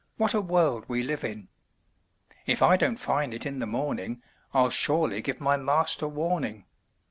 what a world we live in! If I don't find it in the morning, I'll surely give my master warning.